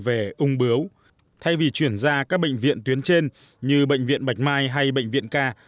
về ung bứu thay vì chuyển ra các bệnh viện tuyến trên như bệnh viện bạch mai hay bệnh viện ca